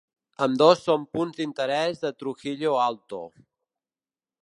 Ambdós són punts d'interès de Trujillo Alto.